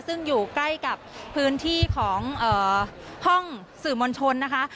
ซึ่งอยู่ใกล้กับพื้นที่ของห้องสื่อมวลชนนะคะ